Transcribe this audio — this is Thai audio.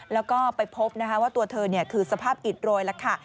แล้วก็ไปพบนะคะว่าตัวเธอคือสภาพอิดโรยแล้วค่ะ